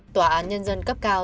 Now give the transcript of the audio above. tòa án nhân dân cấp cao